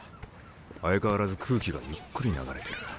相変わらず空気がゆっくり流れてる。